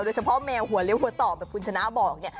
โดยเฉพาะแมวหัวเลี้ยวหัวตอบแบบคุณชนะบอกเนี่ย